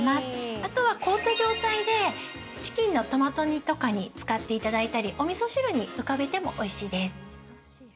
あとは凍った状態でチキンのトマト煮とかに使っていただいたりおみそ汁に浮かべてもおいしいです。